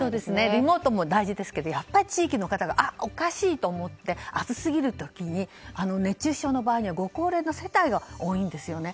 リモートも大事ですがやっぱり地域の方がおかしいと思って暑すぎる時に熱中症の場合はご高齢の世帯が多いんですよね。